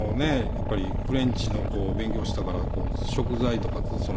やっぱりフレンチの勉強していたから食材とかそのね